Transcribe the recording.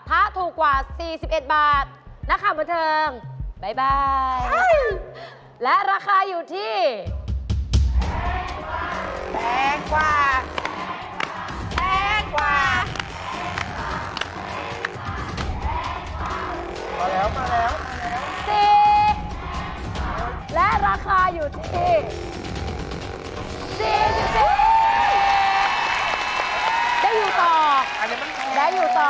ถ้าถูกกว่า๔๑บาทนะคะผู้เทิงบ๊ายบาย